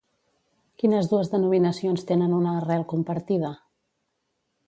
Quines dues denominacions tenen una arrel compartida?